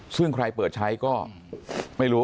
ซึ่งใครเปิดใช้ก็ไม่รู้